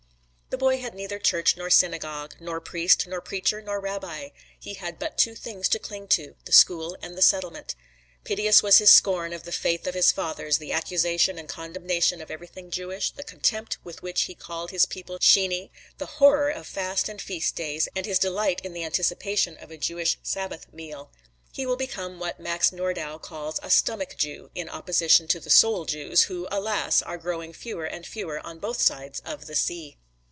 The boy had neither church nor synagogue, nor priest nor preacher nor rabbi; he had but two things to cling to, the school and the settlement. Piteous was his scorn of the faith of his fathers, the accusation and condemnation of everything Jewish, the contempt with which he called his people "Sheney"; the horror of fast and feast days, and his delight in the anticipation of a Jewish Sabbath meal. He will become what Max Nordau calls a "stomach Jew," in opposition to the "soul Jews," who alas! are growing fewer and fewer, on both sides of the sea.